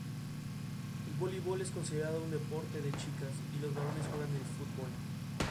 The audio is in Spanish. El voleibol es considerado un "deporte de chicas" y los varones juegan al fútbol.